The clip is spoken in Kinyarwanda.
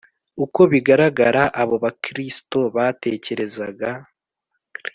Uko bigaragara, abo Bakristo batekerezaga